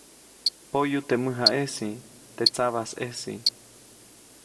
Poyu teʼ mäjaʼejsi. teʼ sabajsʼejsi.